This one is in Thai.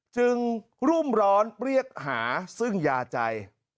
รุ่มร้อนเรียกหาซึ่งยาใจ